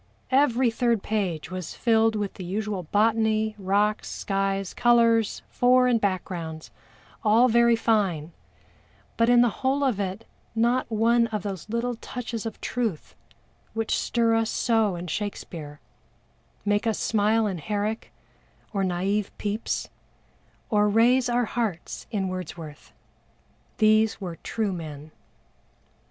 Every third page was filled with the usual botany, rocks, skies, colors, fore and backgrounds "all very fine" but in the whole of it not one of those little touches of truth which stir us so in SHAKESPEARE, make us smile in HERRICK or naïve PEPYS, or raise our hearts in WORDSWORTH. These were true men.